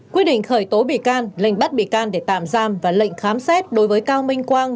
quyết định khởi tố bị can lệnh bắt bị can để tạm giam và lệnh khám xét đối với cao minh quang